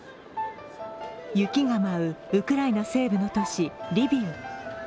雪が舞うウクライナ西部の都市リビウ。